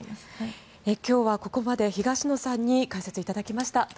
今日はここまで東野さんに解説をいただきました。